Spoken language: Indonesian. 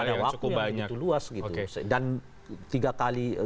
ada waktu yang cukup banyak